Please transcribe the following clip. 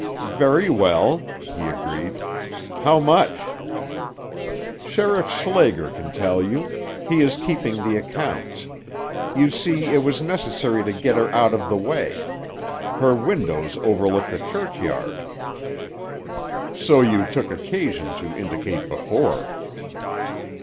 "Very well," he agreed. "How much?" "Sheriff Schlager can tell you. He is keeping the accounts. You see, it was necessary to get her out of the way. Her windows overlook the churchyard." "So you took occasion to indicate before."